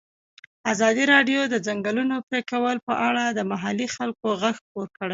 ازادي راډیو د د ځنګلونو پرېکول په اړه د محلي خلکو غږ خپور کړی.